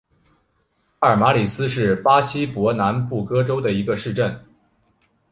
帕尔马里斯是巴西伯南布哥州的一个市镇。